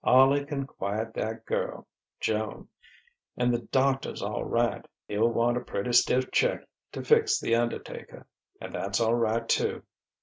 Arlie can quiet that girl Joan and the doctor's all right; he'll want a pretty stiff cheque to fix the undertaker and that's all right, too.